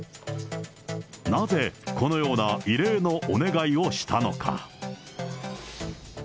なぜこのような異例のお願いをしたのか。